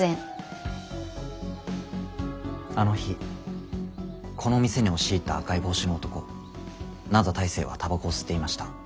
あの日この店に押し入った赤い帽子の男灘大聖はタバコを吸っていました。